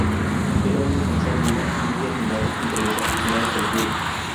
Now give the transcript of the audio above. Era un defensor duro y muy admirado entre los aficionados del club.